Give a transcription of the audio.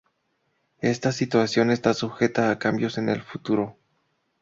Esta situación está sujeta a cambios en el futuro.